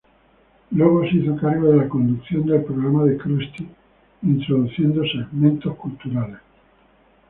Luego se hizo cargo de la conducción del programa de Krusty, introduciendo segmentos culturales.